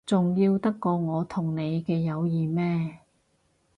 重要得過我同你嘅友誼咩？